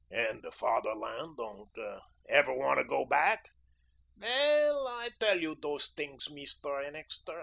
"And the Fatherland? Ever want to go back?" "Wail, I tell you dose ting, Meest'r Ennixter.